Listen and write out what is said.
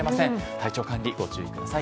体調管理、ご注意ください。